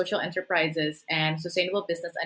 untuk perusahaan sosial dan bisnis kesehatan